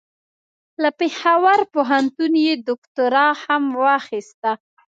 له پېښور پوهنتون یې دوکتورا هم واخیسته.